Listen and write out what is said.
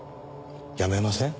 やめません？